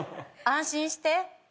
安心して。